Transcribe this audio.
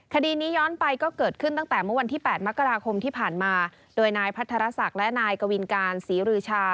คดีนี้ย้อนไปก็เกิดขึ้นตั้งแต่เมื่อวันที่๘มกราคมที่ผ่านมาโดยนายพัทรศักดิ์และนายกวินการศรีรือชา